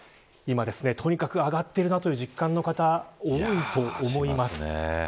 今、とにかく上がっているなという実感に方多いと思います。